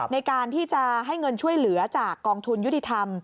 ในการที่จะให้เงินช่วยเหลือจากกองทุนยุติธรรม